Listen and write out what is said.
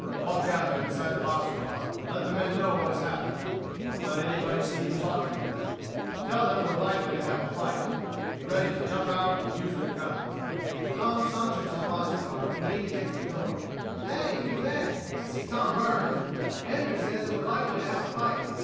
"Walk down there beside the box car and let the men know what has happened. Don't let anybody see you talking with them. Tell them that we're likely to have a fight to be ready to jump out and use their guns." Tom sauntered to the box car and leaned against the door. "Hey! you men! This is Tom Burns. Andrews says that we're likely to have a fight.